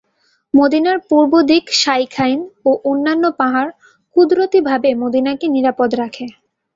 মদীনার পূর্ব দিক শাইখাইন ও অন্যান্য পাহাড় কুদরতিভাবে মদীনাকে নিরাপদ রাখে।